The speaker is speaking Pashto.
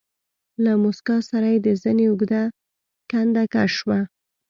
له موسکا سره يې د زنې اوږده کنده کش شوه.